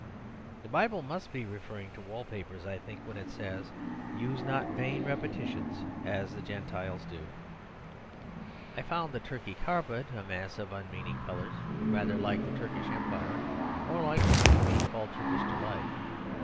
The Bible must be referring to wallpapers, I think, when it says, "Use not vain repetitions, as the Gentiles do." I found the Turkey carpet a mass of unmeaning colours, rather like the Turkish Empire, or like the sweetmeat called Turkish Delight.